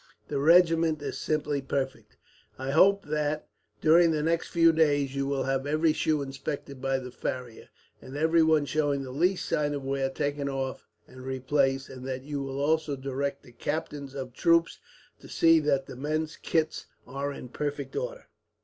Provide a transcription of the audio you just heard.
The regiment is simply perfect. I hope that during the next few days you will have every shoe inspected by the farrier, and every one showing the least signs of wear taken off and replaced; and that you will also direct the captains of troops to see that the men's kits are in perfect order."